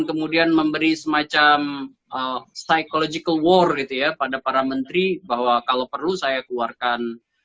kemudian memberi semacam psychological war gitu ya pada para menteri bahwa kalau perlu saya keluarkan